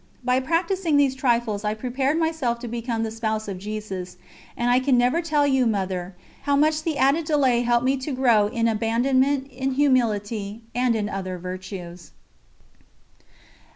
By practising these trifles I prepared myself to become the Spouse of Jesus, and I can never tell you, Mother, how much the added delay helped me to grow in abandonment, in humility, and in other virtues.